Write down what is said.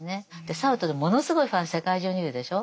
サルトルものすごいファン世界中にいるでしょう。